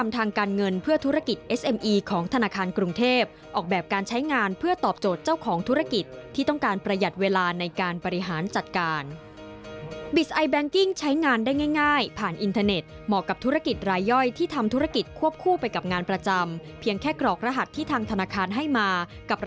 เดี๋ยวตามเรื่องนี้พร้อมกันจากรายงานของคุณชดารัฐโภคะธนวัฒน์ครับ